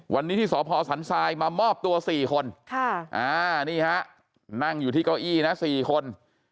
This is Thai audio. วันนี้ที่สพสันทรายมามอบตัว๔คนนี่ฮะนั่งอยู่ที่เก้าอี้นะ๔คน